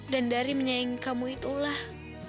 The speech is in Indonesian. dan dari menyayangi kamu itulah